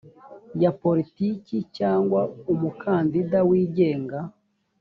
ya politiki cyangwa umukandida wigenga